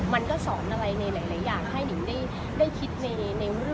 มันก็สอนอะไรในหลายอย่างให้นิ่งได้คิดในเรื่องที่มันเป็นพูด